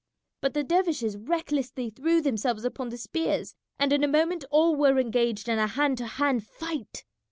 But the dervishes recklessly threw themselves upon the spears, and in a moment all were engaged in a hand to hand fight.